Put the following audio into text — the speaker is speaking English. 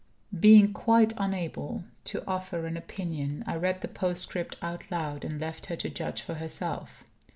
Being quite unable to offer an opinion, I read the postscript out loud, and left her to judge for herself.